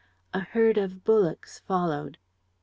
A herd of bullocks followed.